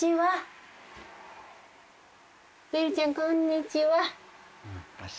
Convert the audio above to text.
メルちゃんこんにちは。